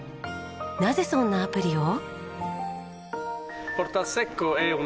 なぜそんなアプリを？